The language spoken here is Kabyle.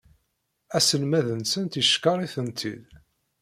Aselmad-nsent yeckeṛ-itent-id.